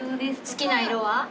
好きな色は？